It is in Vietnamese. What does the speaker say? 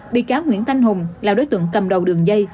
bị cáo nguyễn thanh hùng là đối tượng cầm đầu đường dây